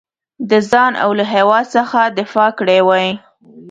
د ځان او له هیواد څخه دفاع کړې وای.